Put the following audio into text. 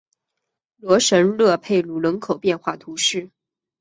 罗什勒佩鲁人口变化图示